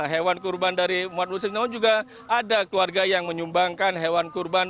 hewan kurban dari umat muslim juga ada keluarga yang menyumbangkan hewan kurban